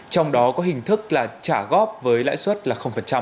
trong đó có hình thức là trả góp với lãi suất là